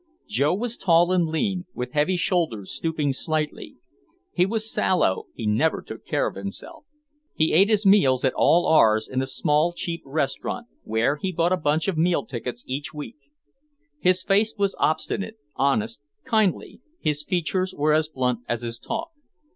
Joe was tall and lean, with heavy shoulders stooping slightly. He was sallow, he never took care of himself. He ate his meals at all hours at a small cheap restaurant, where he bought a bunch of meal tickets each week. His face was obstinate, honest, kindly, his features were as blunt as his talk.